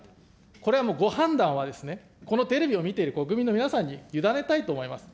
これはもう、ご判断はですね、このテレビを見ている国民の皆さんに委ねたいと思います。